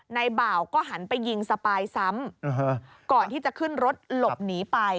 บ่าวก็หันไปยิงสปายซ้ำก่อนที่จะขึ้นรถหลบหนีไป